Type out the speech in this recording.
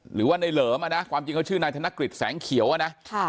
หรือว่าในเหลิมอ่ะนะความจริงเขาชื่อนายธนกฤษแสงเขียวอ่ะนะ